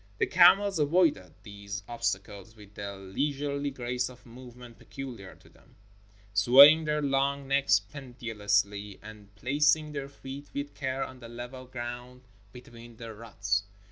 The camels avoided these obstacles with the lei surely grace of movement peculiar to them — swaying their long necks pendulously and placing their feet with care on the level ground between the ruts.